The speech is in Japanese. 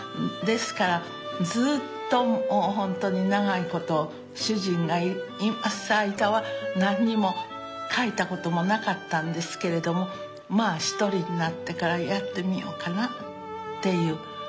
ですからずっと本当に長いこと主人がいます間は何にも描いたこともなかったんですけれどもまあ一人になってからやってみようかなっていう